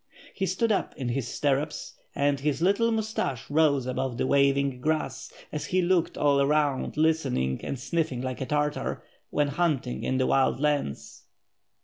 He stood up in his stirrups, and his little moustache rose above the waving grass as he looked all around listening and sniffing like a Tartar, when hunting in the Wild Lands.